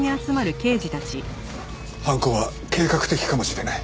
犯行は計画的かもしれない。